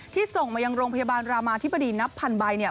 ที่ส่งมายังโรงพยาบาลรามาธิบดีนับพันใบ